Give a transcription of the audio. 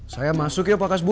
saya masuk ya pak hasbul